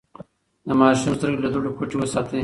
د ماشوم سترګې له دوړو پټې وساتئ.